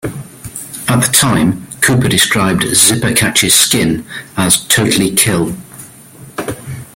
At the time, Cooper described "Zipper Catches Skin" as "totally kill.